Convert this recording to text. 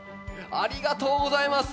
ありがとうございます。